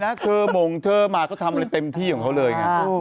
แคร์มงเธอมาก็ทำในเต็มที่ของเขาเลย